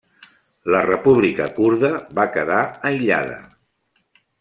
La república kurda va quedar aïllada.